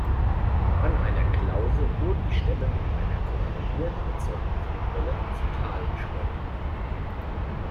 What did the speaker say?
An einer Klause wurden die Stämme mit einer kontrolliert erzeugten Flutwelle zu Tal geschwemmt.